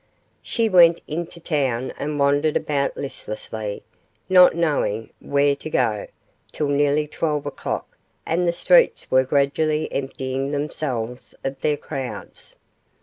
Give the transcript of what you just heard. She went into town and wandered about listlessly, not knowing where to go, till nearly twelve o'clock, and the streets were gradually emptying themselves of their crowds.